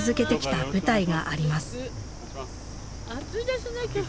暑いですね今日。